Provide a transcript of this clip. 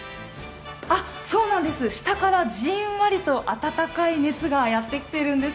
そうなんです、下からじんわりと温かい熱がやってきてるんです。